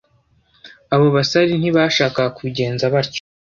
Abo basare ntibashakaga kubigenza batyo